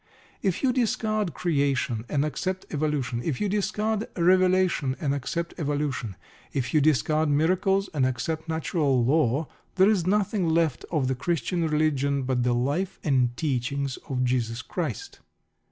If you discard "Creation" and accept evolution; if you discard "revelation" and accept evolution; if you discard miracles and accept natural law, there is nothing left of the Christian Religion but the life and teachings of Jesus Christ.